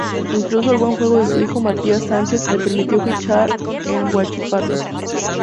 Incluso el buen juego de su hijo Matias Sánchez le permitió fichar en Huachipato.